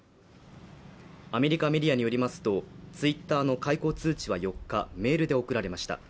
アメリカメディアによりますとツイッターの解雇通知は４日メールで送られました